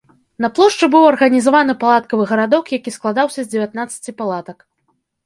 На плошчы быў арганізаваны палаткавы гарадок, які складаўся з дзевятнаццаці палатак.